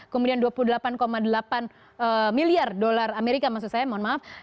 kemudian dua puluh delapan delapan miliar dolar amerika maksud saya mohon maaf